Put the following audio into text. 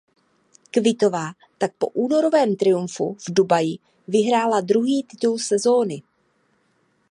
Kvitová tak po únorovém triumfu v Dubaji vyhrála druhý titul sezóny.